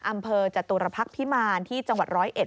อำเภอจตุรพักษ์พิมารที่จังหวัดร้อยเอ็ด